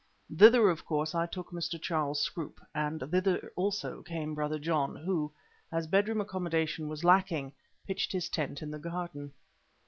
Thither of course I took Mr. Charles Scroope, and thither also came Brother John who, as bedroom accommodation was lacking, pitched his tent in the garden.